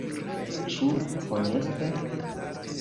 Ĉu honeste?